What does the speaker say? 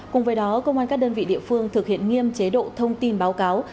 cùng với đó công an các đơn vị địa phương thực hiện nghiêm chế độ thông tin báo cáo